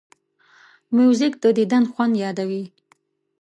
موزیک د دیدن خوند یادوي.